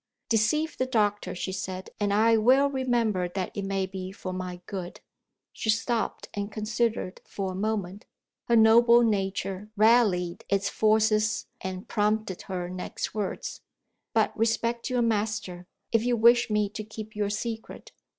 "Deceive the doctor," she said, "and I well remember that it may be for my good." She stopped, and considered for a moment. Her noble nature rallied its forces, and prompted her next words: "But respect your master, if you wish me to keep your secret.